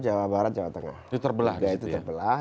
jawa barat jawa tengah itu terbelah